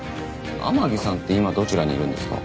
天樹さんって今どちらにいるんですか？